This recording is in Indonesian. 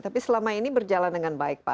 tapi selama ini berjalan dengan baik pak